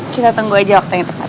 kita tunggu aja waktu yang tepat